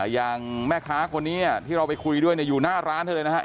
อย่างแม่ค้าคนนี้ที่เราไปคุยด้วยอยู่หน้าร้านเธอเลยนะครับ